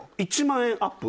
１万円アップ。